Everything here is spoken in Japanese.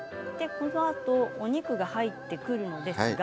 このあとお肉が入ってくるのですが。